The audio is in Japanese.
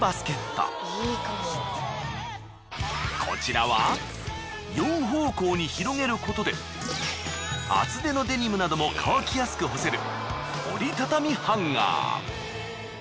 こちらは両方向に広げることで厚手のデニムなども乾きやすく干せる折りたたみハンガー。